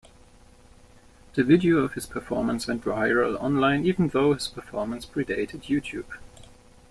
The video of his performance went viral online even though his performance predated YouTube.